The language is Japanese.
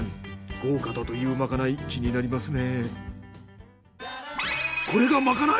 豪華だというまかない気になりますね。